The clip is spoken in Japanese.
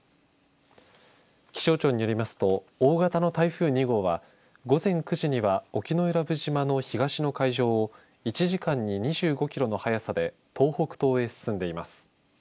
気象庁によりますと大型の台風２号は午前９時には沖永良部島の東の海上を１時間に２５キロの速さで東北東へ進んでいます。